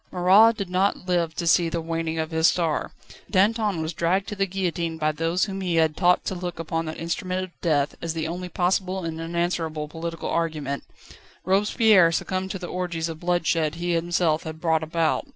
Marat did not live to see the waning of his star; Danton was dragged to the guillotine by those whom he had taught to look upon that instrument of death as the only possible and unanswerable political argument; Robespierre succumbed to the orgies of bloodshed he himself had brought about.